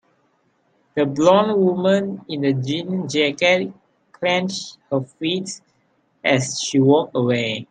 The blond woman in the jean jacket clenched her fists as she walked away.